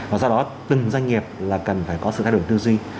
và do đó từng doanh nghiệp là cần phải có sự thay đổi tư duy